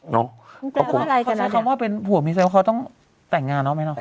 เนอะพ่อคุณครับใช้คำว่าเป็นผัวมีแสมต้องแต่งงานเหรอไหมเนอะ